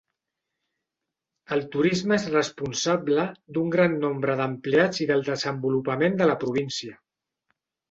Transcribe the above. El turisme és responsable d'un gran nombre de empleats i del desenvolupament de la província.